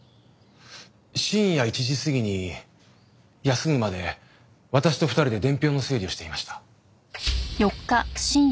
深夜１時過ぎに休むまで私と２人で伝票の整理をしていました。